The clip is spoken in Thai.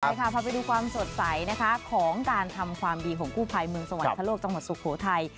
ใช่ค่ะพาไปดูความสดใสนะคะของการทำความดีของกู้ภัยเมืองสวรรคโลกจังหวัดสุโขทัย